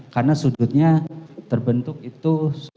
karena sudutnya terbentuk itu